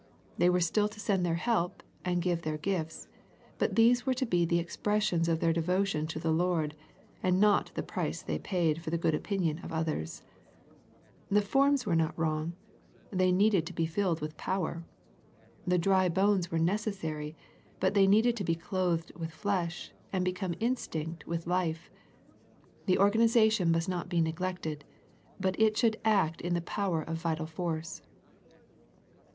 They were still to send their help, and give their gifts, but these were to be the expressions of their devotion to their Lord, and not the price they paid for the good opin ion of others. The forms were not wrong. They needed to be filled with power. The dry bones were necessary, but they needed to be ^clothed with flesh, and become instinct with life. The organization must not be neglected, but it should act in the power of vital force.